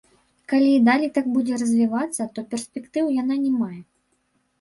Калі і далей так будзе развівацца, то перспектыў яна не мае.